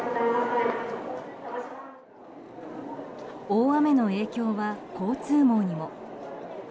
大雨の影響は交通網にも。